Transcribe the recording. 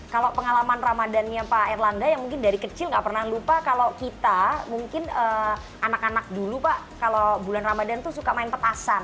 kalau pengalaman ramadannya pak erlangga yang mungkin dari kecil gak pernah lupa kalau kita mungkin anak anak dulu pak kalau bulan ramadhan tuh suka main petasan